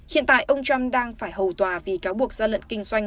hiện tại ông trump đang phải hầu tòa vì cáo buộc gian lận kinh doanh